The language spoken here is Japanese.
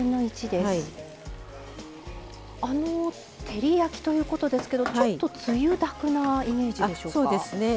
照り焼きということですけどちょっとつゆだくなイメージでしょうか。